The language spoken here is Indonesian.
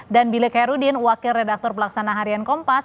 dan billy kherudin wakil redaktor pelaksanaan harian kompas